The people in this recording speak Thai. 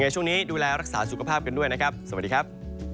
ช่วงนี้ดูแลรักษาสุขภาพกันด้วยนะครับสวัสดีครับ